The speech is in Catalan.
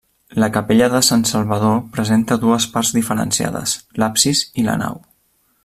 La capella de Sant Salvador presenta dues parts diferenciades: l'absis i la nau.